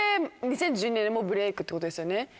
２０１２年でもうブレイクってことですよね。